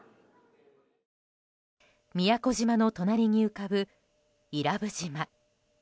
宮古島の隣に浮かぶ伊良部島。